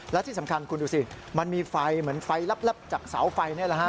และที่สำคัญคุณดูสิมันมีไฟเหมือนไฟแลบจากเสาไฟนี่แหละฮะ